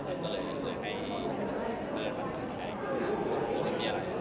ฉันก็เลยให้เพิ่มมาแข่งว่าคงไม่มีอะไร